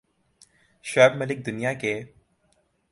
شعیب ملک دنیا کے